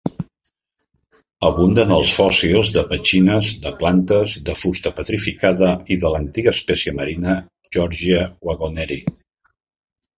Abunden els fòssils de petxines, de plantes, de fusta petrificada i de l'antiga espècie marina Yorgia waggoneri.